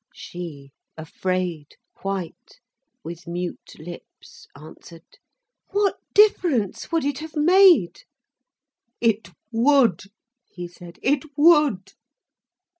She, afraid, white, with mute lips answered: "What difference would it have made!" "It would!" he said. "It would."